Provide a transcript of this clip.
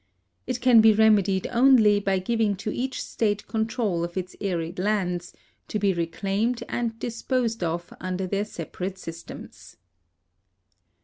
It can be remedied only by giving to each state control of its arid lands, to be reclaimed and disposed of under their separate sys tems.